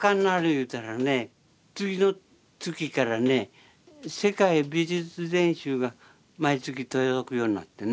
言うたらね次の月からね「世界美術全集」が毎月届くようになってね。